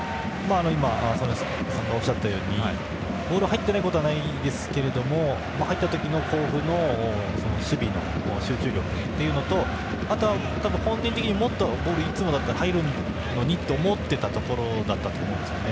今、曽根さんがおっしゃったようにボールが入ってないことはないですが入った時の甲府の守備の集中力というのとあとは多分、本人的にはいつもボールがもっと入るのにと思っていたところだったと思ったんですよね。